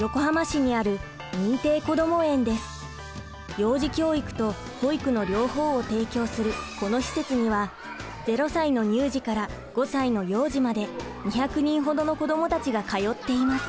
幼児教育と保育の両方を提供するこの施設には０歳の乳児から５歳の幼児まで２００人ほどの子どもたちが通っています。